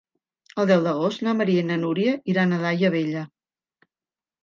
El deu d'agost na Maria i na Núria iran a Daia Vella.